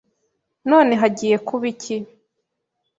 None hagiye kuba iki?